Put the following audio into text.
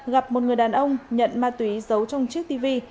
gặp một người đàn ông nhận ma túy giấu trong chiếc tv